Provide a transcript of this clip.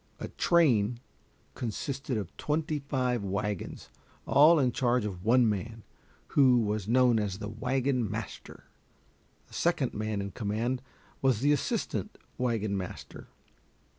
A train consisted of twenty five wagons, all in charge of one man, who was known as the wagon master. The second man in command was the assistant wagon master.